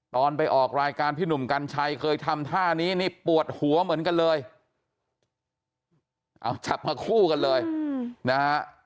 ตอนไปออกรายการพี่หนุ่มกัญชัยเคยทำท่านี้นี่ปวดหัวเหมือนกันเลยเอาจับมาคู่กันเลยนะฮะ